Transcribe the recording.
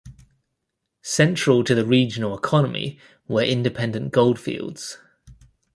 Central to the regional economy were independent gold fields.